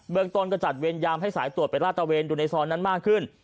เมืองต้นก็จัดเวรยามให้สายตรวจไปลาดตะเวนอยู่ในซอยนั้นมากขึ้น